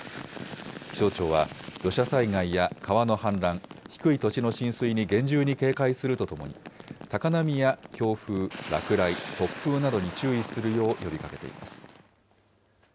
気象庁は土砂災害や川の氾濫、低い土地の浸水に厳重に警戒するとともに、高波や強風、落雷、突風などに注意するよう呼びかけています。